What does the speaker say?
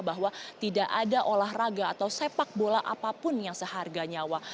bahwa tidak ada olahraga atau sepak bola apapun yang seharga nyawa